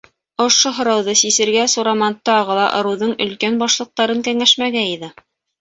Ошо һорауҙы сисергә Сураман тағы ла ырыуҙың Өлкән Башлыҡтарын кәңәшмәгә йыйҙы.